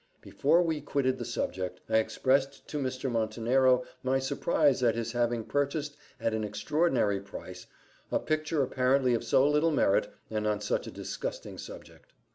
Before we quitted the subject, I expressed to Mr. Montenero my surprise at his having purchased, at an extraordinary price, a picture apparently of so little merit, and on such a disgusting subject.